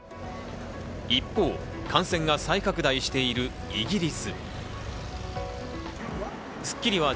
一方、感染が再拡大しているイギリス。